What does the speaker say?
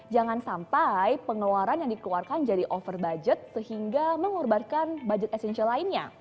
jangan sampai pengeluaran yang dikeluarkan jadi over budget sehingga mengorbankan budget essential lainnya